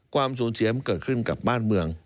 ความสูญเสียมันเกิดขึ้นกับบ้านเมือง